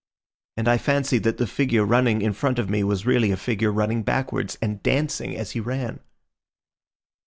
And I fancied that the figure running in front of me was really a figure running backwards, and dancing as he ran."